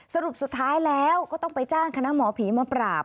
สรุปสุดท้ายแล้วก็ต้องไปจ้างคณะหมอผีมาปราบ